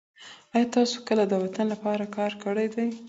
آیا تاسو کله د وطن لپاره کار کړی دی؟